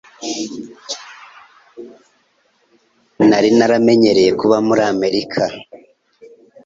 Nari naramenyereye kuba muri Amerika.